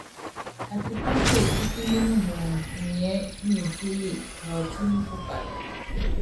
Atipí kuepíkíníni muundú unyiɛ́ nimfíli nɔɔtímí kupála.